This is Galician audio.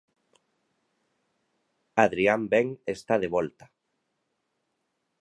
Adrián Ben está de volta.